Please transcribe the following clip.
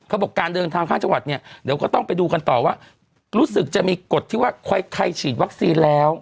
บอกการเดินทางข้างจังหวัดเนี่ยเดี๋ยวก็ต้องไปดูกันต่อว่ารู้สึกจะมีกฎที่ว่าใครฉีดวัคซีนแล้ว